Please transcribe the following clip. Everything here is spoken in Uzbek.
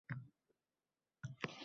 Solveyg chang’i uchib kelar…